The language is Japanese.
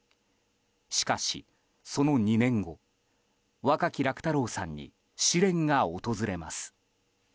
しかし、その２年後若き楽太郎さんに試練が訪れます。